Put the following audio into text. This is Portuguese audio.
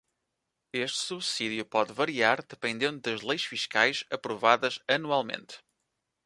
Este subsídio pode variar dependendo das leis fiscais aprovadas anualmente.